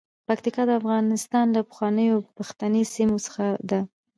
پکتیکا د افغانستان له پخوانیو پښتني سیمو څخه ده.